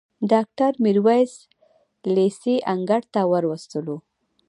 ډاکټر میرویس لېسې انګړ ته وروستلو.